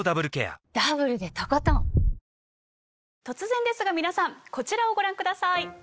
突然ですが皆さんこちらをご覧ください。